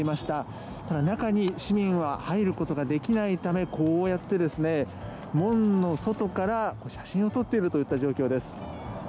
ただ、中に市民は入ることができないためこうやって門の外から写真を撮っている状況です。